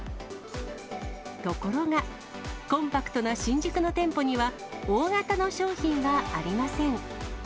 ところが、コンパクトな新宿の店舗には、大型の商品はありません。